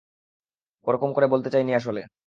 ওরকম করে বলতে চাইনি আসলে!